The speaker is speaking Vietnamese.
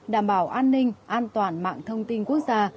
đảm bảo an ninh an toàn mạng thông tin quốc gia